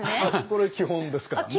これ基本ですからね。